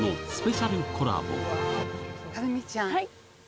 はい。